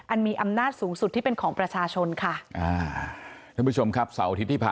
มีอำนาจสูงสุดที่เป็นของประชาชนค่ะ